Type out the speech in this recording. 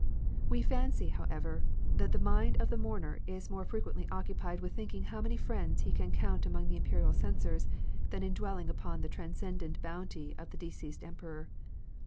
We fancy, how ever, that the mind of the mourner is more fre quently occupied with thinking how many friends he can count among the Imperial censors than in dwelling upon the transcendent bounty of the de ceased Emperor.